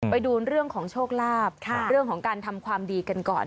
ไปดูเรื่องของโชคลาภเรื่องของการทำความดีกันก่อน